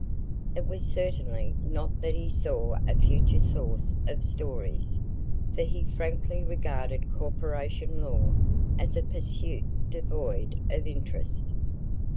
It was certainly not that he saw a future source of "stories," for he frankly regarded corporation law as a pursuit devoid of interest.